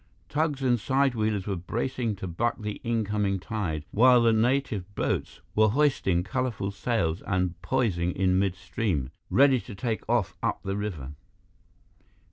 Tugs and side wheelers were bracing to buck the incoming tide, while the native boats were hoisting colorful sails and poising in midstream, ready to take off up the river.